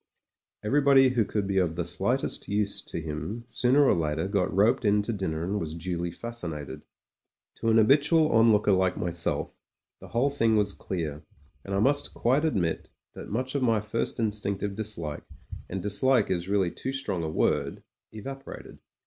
Everybody who could be of the slightest use to him sooner or later got roped in to dinner and was duly fascinated. To an habitual onlooker like myself, the whole thing was clear, and I must quite admit that much of my first instinctive dislike — ^and dislike is really too strong 82 MEN, WOMEN AND GUNS a word— evaporated.